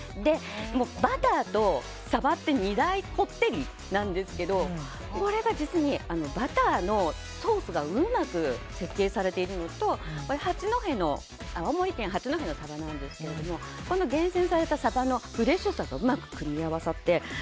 バターとサバって２大こってりなんですけどこれが実に、バターのソースがうまく設計されているのと青森県八戸のサバなんですが厳選されたサバのフレッシュさとうまく組み合わさって。